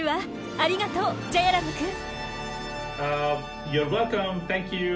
ありがとうジャヤラムくん！